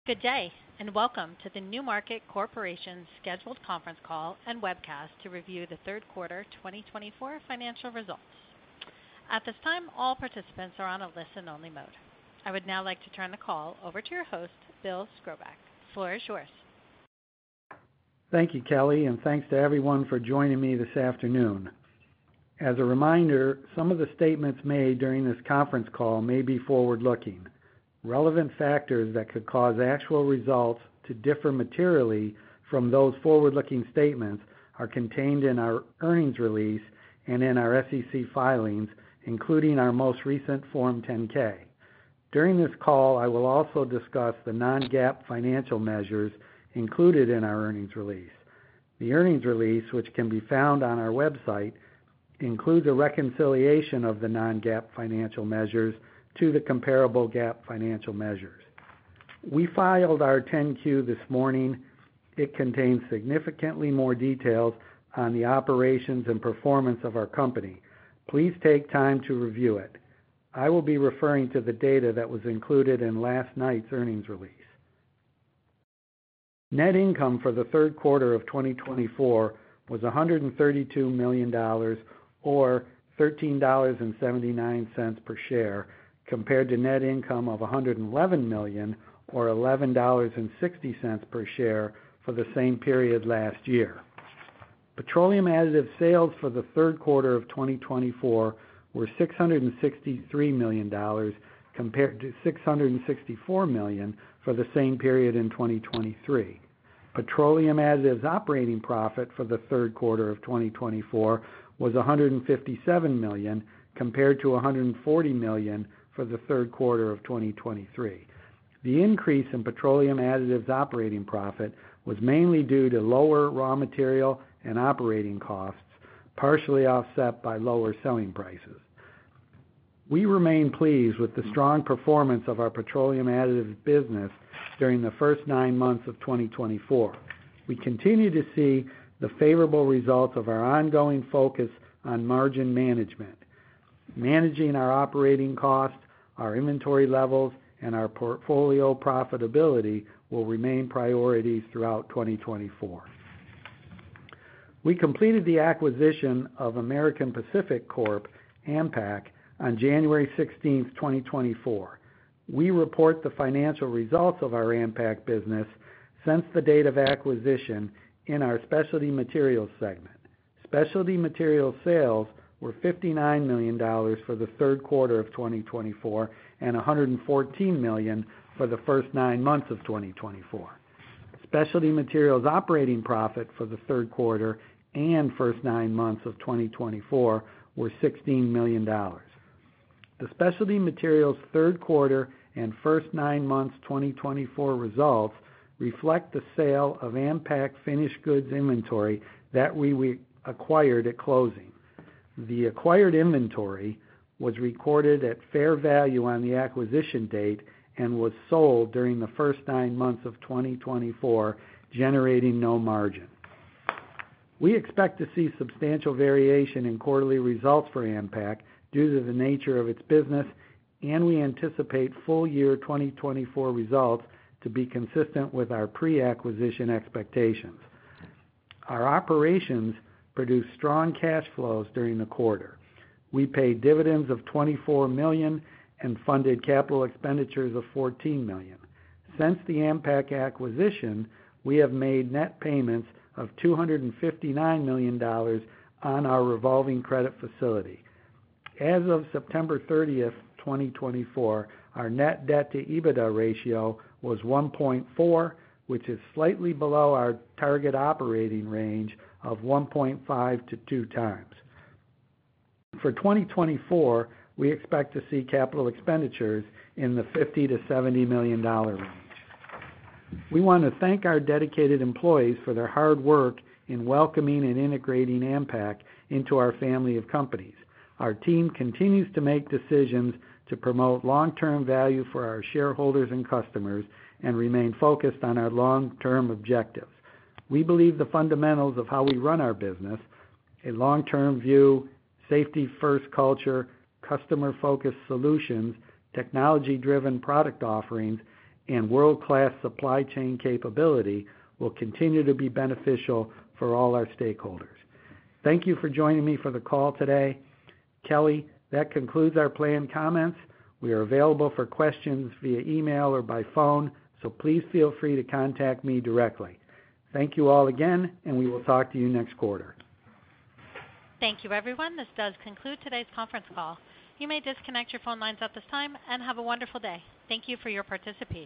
Good day, and welcome to the NewMarket Corporation's scheduled conference call and webcast to review the third quarter 2024. Thank you, Kelly, and thanks to everyone for joining me this afternoon. As a reminder, some of the statements made during this conference call may be forward-looking. Relevant factors that could cause actual results to differ materially from those forward-looking statements are contained in our earnings release and in our SEC filings, including our most recent Form 10-K. During this call, I will also discuss the non-GAAP financial measures included in our earnings release. The earnings release, which can be found on our website, includes a reconciliation of the non-GAAP financial measures to the comparable GAAP financial measures. We filed our 10-Q this morning. It contains significantly more details on the operations and performance of our company. Please take time to review it. I will be referring to the data that was included in last night's earnings release. Net income for the third quarter of 2024 was $132 million or $13.79 per share, compared to net income of $111 million or $11.60 per share for the same period last year. Petroleum additives sales for the third quarter of 2024 were $663 million, compared to $664 million for the same period in 2023. Petroleum additives operating profit for the third quarter of 2024 was $157 million, compared to $140 million for the third quarter of 2023. The increase in petroleum additives operating profit was mainly due to lower raw material and operating costs, partially offset by lower selling prices. We remain pleased with the strong performance of our petroleum additives business during the first nine months of 2024. We continue to see the favorable results of our ongoing focus on margin management. Managing our operating costs, our inventory levels, and our portfolio profitability will remain priorities throughout 2024. We completed the acquisition of American Pacific Corporation, AMPAC, on January sixteenth, 2024. We report the financial results of our AMPAC business since the date of acquisition in our specialty materials segment. Specialty materials sales were $59 million for the third quarter of 2024, and $114 million for the first nine months of 2024. Specialty materials operating profit for the third quarter and first nine months of 2024 were $16 million. The specialty materials third quarter and first nine months 2024 results reflect the sale of AMPAC finished goods inventory that we acquired at closing. The acquired inventory was recorded at fair value on the acquisition date and was sold during the first nine months of 2024, generating no margin. We expect to see substantial variation in quarterly results for AMPAC due to the nature of its business, and we anticipate full year 2024 results to be consistent with our pre-acquisition expectations. Our operations produced strong cash flows during the quarter. We paid dividends of $24 million and funded capital expenditures of $14 million. Since the AMPAC acquisition, we have made net payments of $259 million on our revolving credit facility. As of September 30th, 2024, our net debt-to-EBITDA ratio was 1.4, which is slightly below our target operating range of 1.5x to 2 times. For 2024, we expect to see capital expenditures in the $50 million-$70 million range. We want to thank our dedicated employees for their hard work in welcoming and integrating AMPAC into our family of companies. Our team continues to make decisions to promote long-term value for our shareholders and customers and remain focused on our long-term objectives. We believe the fundamentals of how we run our business, a long-term view, safety-first culture, customer-focused solutions, technology-driven product offerings, and world-class supply chain capability will continue to be beneficial for all our stakeholders. Thank you for joining me for the call today. Kelly, that concludes our planned comments. We are available for questions via email or by phone, so please feel free to contact me directly. Thank you all again, and we will talk to you next quarter. Thank you, everyone. This does conclude today's conference call. You may disconnect your phone lines at this time, and have a wonderful day. Thank you for your participation.